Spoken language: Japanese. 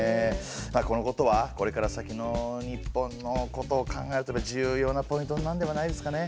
このことはこれから先の日本のことを考えると重要なポイントになるのではないですかね。